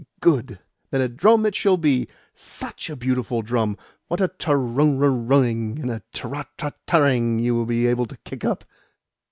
"Good! Then a drum it shall be SUCH a beautiful drum! What a tur r r ru ing and a tra ta ta ta ing you will be able to kick up!